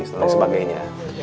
dan lain sebagainya